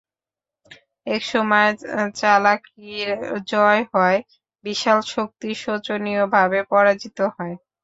এক সময় চালাকীর জয় হয়, বিশাল শক্তি শোচনীয়ভাবে পরাজিত হয়।